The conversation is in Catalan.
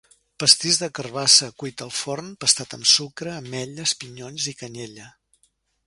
Pastís de carabassa cuit al forn, pastat amb sucre, ametlles, pinyons i canyella.